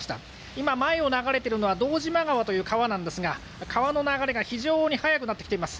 今、前を流れているのは堂島川という川なんですが川の流れが非常に速くなってきています。